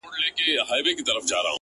دا څه خبره ده بس ځان خطا ايستل دي نو